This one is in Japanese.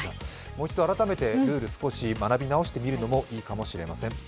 もう一度改めてルール学び直してみるのもいいかもしれません。